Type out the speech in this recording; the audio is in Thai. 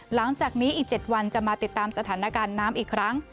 หลังจากนี้อีก๗วันจะมาติดตามสถานการณ์น้ำอีกครั้ง